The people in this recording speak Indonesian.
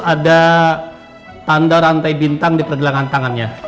ada tanda rantai bintang di pergelangan tangannya